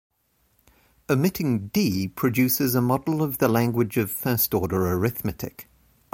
Omitting "D" produces a model of the language of first order arithmetic.